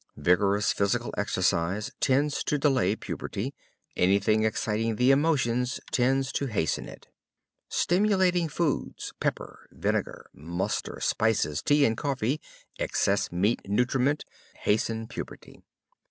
Vigorous physical exercise tends to delay puberty, anything exciting the emotions tends to hasten it. Stimulating foods, pepper, vinegar, mustard, spices, tea and coffee, excess meat nutriment hasten puberty.